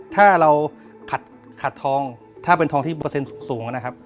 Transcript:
ถ้าเราขัดทองถ้าเป็นทองที่เปอร์เซ็นต์สูงนะครับ